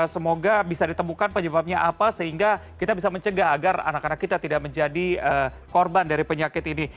semoga bisa ditemukan penyebabnya apa sehingga kita bisa mencegah agar anak anak kita tidak menjadi korban dari penyakit ini